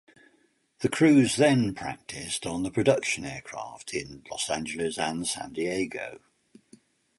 The crews then practiced on the production aircraft in Los Angeles and San Diego.